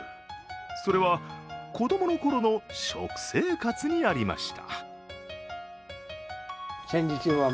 それは子供のころの食生活にありました。